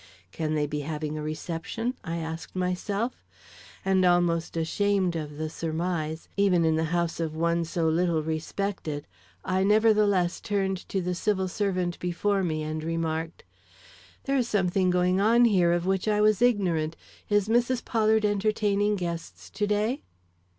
Can they be having a reception? I asked myself; and almost ashamed of the surmise, ever in the house of one so little respected, I, nevertheless, turned to the civil servant before me and remarked: "There is something going on here of which I was ignorant. Is Mrs. Pollard entertaining guests to day?"